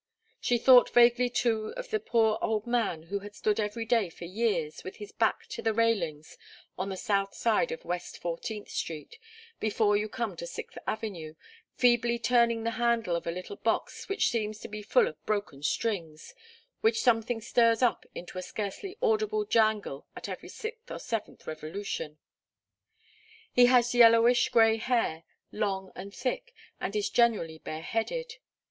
She thought vaguely, too, of the poor old man who has stood every day for years with his back to the railings on the south side of West Fourteenth Street, before you come to Sixth Avenue, feebly turning the handle of a little box which seems to be full of broken strings, which something stirs up into a scarcely audible jangle at every sixth or seventh revolution. He has yellowish grey hair, long and thick, and is generally bareheaded.